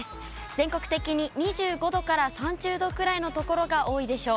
全国的に２５度から３０度くらいの所が多いでしょう。